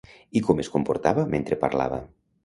I com es comportava mentre parlava?